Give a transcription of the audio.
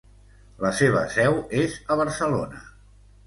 La seva seu és a Barcelona.